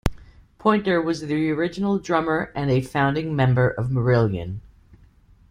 Pointer was the original drummer and a founding member of Marillion.